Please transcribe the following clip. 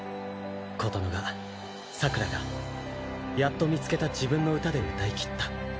琴乃がさくらがやっと見つけた自分の歌で歌い切った。